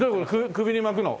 首に巻くの？